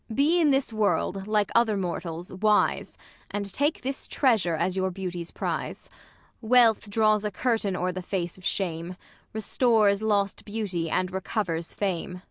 Ang. Be in this world, like other mortals, wise ; And take this treasure as your beauty's prize. Wealth draws a curtain o'er the face of shame, Restores lost beauty, and recovers fame. IsAB.